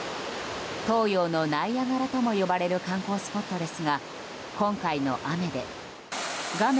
東洋のナイアガラとも呼ばれる観光スポットですが今回の雨で画面